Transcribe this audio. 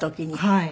はい。